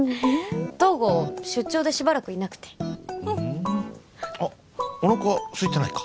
東郷出張でしばらくいなくてふんあっおなかすいてないか？